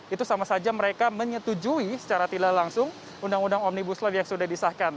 itu sama saja mereka menyetujui secara tidak langsung undang undang omnibus law yang sudah disahkan